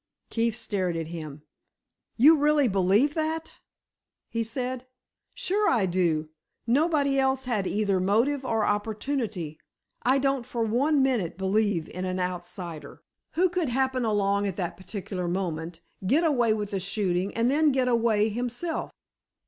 Keefe stared at him. "You really believe that!" he said. "Sure I do! Nobody else had either motive or opportunity. I don't for one minute believe in an outsider. Who could happen along at that particular moment, get away with the shooting, and then get away himself?"